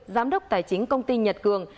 giám đốc tài chính công ty nhật cường